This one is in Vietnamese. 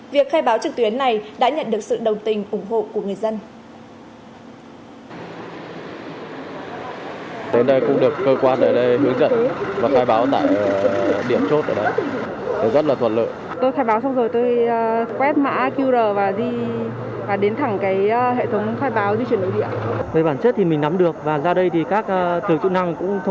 việc khai báo trực tuyến này đã nhận được sự đồng tình ủng hộ của người dân